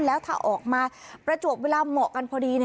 แล้วถ้าออกมาประจวบเวลาเหมาะกันพอดี